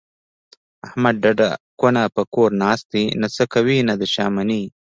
احمد ډډه کونه په کور ناست دی، نه څه کوي نه د چا مني.